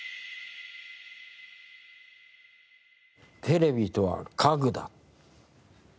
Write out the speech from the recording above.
テレビとは家具だ。